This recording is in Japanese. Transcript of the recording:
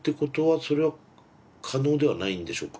それは可能ではないんでしょうか？